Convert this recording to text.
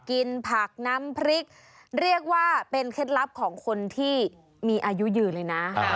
กินผักน้ำพริกเรียกว่าเป็นเคล็ดลับของคนที่มีอายุยืนเลยนะ